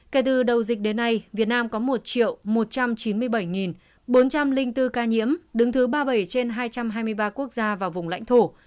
kể từ đầu dịch đến nay việt nam có một một trăm chín mươi bảy bốn trăm linh bốn ca nhiễm đứng thứ ba mươi bảy trên hai trăm hai mươi ba quốc gia và vùng lãnh thổ